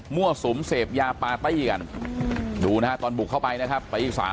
สุมเสพยาปาร์ตี้กันดูนะฮะตอนบุกเข้าไปนะครับไปอีก๓